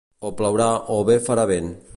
O plourà o bé farà vent.